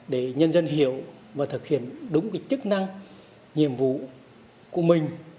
để nhân dân hiểu và thực hiện đúng chức năng nhiệm vụ của mình